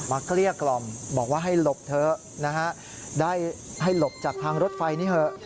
เกลี้ยกล่อมบอกว่าให้หลบเถอะนะฮะได้ให้หลบจากทางรถไฟนี้เถอะ